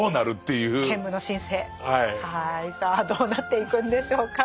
さあどうなっていくんでしょうか。